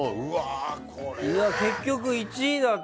結局、１位だった。